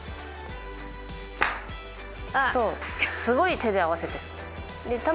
すごい手で合わせてる。